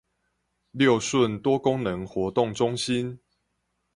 六順多功能活動中心